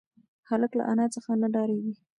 هلک له انا څخه نه ډارېږي.